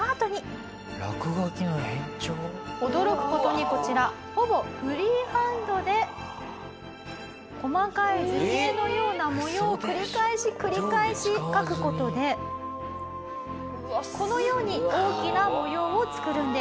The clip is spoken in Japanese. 驚く事にこちらほぼフリーハンドで細かい図形のような模様を繰り返し繰り返し描く事でこのように大きな模様を作るんです。